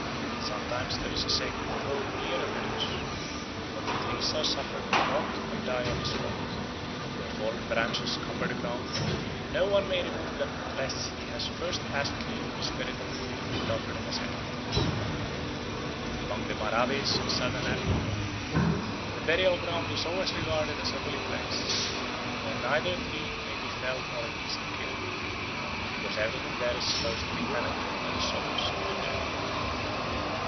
Sometimes there is a sacred grove near a village, where the trees are suffered to rot and die on the spot. Their fallen branches cumber the ground, and no one may remove them unless he has first asked leave of the spirit of the tree and offered him a sacrifice. Among the Maraves of Southern Africa the burial ground is always regarded as a holy place where neither a tree may be felled nor a beast killed, because everything there is supposed to be tenanted by the souls of the dead.